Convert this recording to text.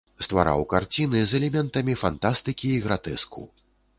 Ствараў карціны з элементамі фантастыкі і гратэску.